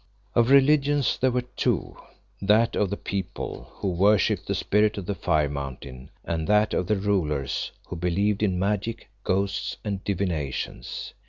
Of religions there were two, that of the people, who worshipped the Spirit of the Fire Mountain, and that of the rulers, who believed in magic, ghosts and divinations.